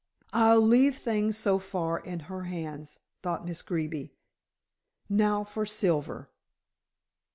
"I'll leave things so far in her hands," thought Miss Greeby. "Now for Silver."